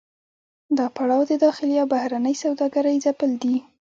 دا پړاو د داخلي او بهرنۍ سوداګرۍ ځپل دي